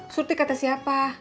surti kata siapa